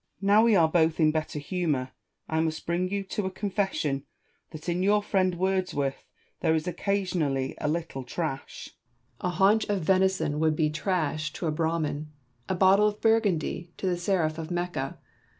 Now we are both in better humour, I must bring you to a confession that in your friend Wordsworth there is occasionally a little trash. Southey. A haunch ot venison would be trash to a Brahmin, a bottle of Burgundy to the xerif of Mecca.